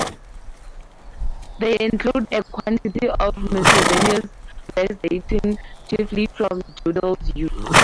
They include a quantity of miscellaneous verse dating chiefly from Jodelle's youth.